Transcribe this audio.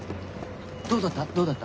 どうだった？